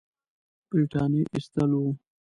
برټانیې ایستل وو.